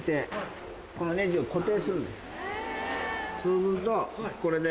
そうするとこれで。